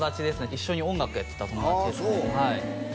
一緒に音楽やってた友達ですねああ